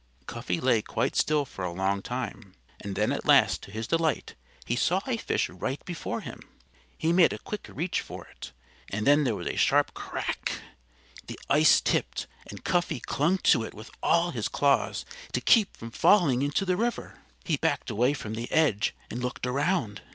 Cuffy lay quite still for a long time. And then at last to his delight he saw a fish right before him. He made a quick reach for it. And then there was a sharp crack! The ice tipped and Cuffy clung to it with all his claws to keep from falling into the river. He backed away from the edge and looked around.